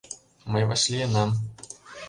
Мый вашлийынам.